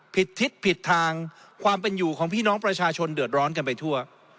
ทิศผิดทางความเป็นอยู่ของพี่น้องประชาชนเดือดร้อนกันไปทั่ว